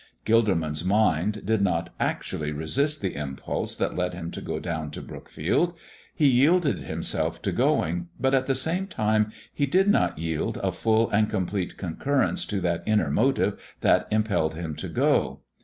Gilderman's mind did not actually resist the impulse that led him to go down to Brookfield. He yielded himself to going, but, at the same time, he did not yield a full and complete concurrence to that inner motive that impelled him to go.